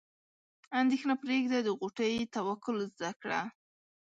اندیښنه پرېږده د غوټۍ توکل زده کړه.